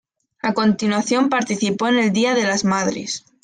A continuación, participó en el Día de las Madres.